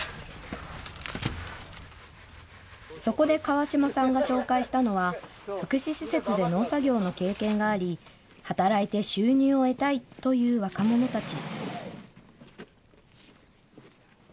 そこで川島さんが紹介したのは、福祉施設で農作業の経験があり、働いて収入を得たいという若者たち。